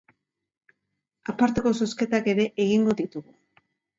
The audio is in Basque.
Aparteko zozketak ere egingo ditugu.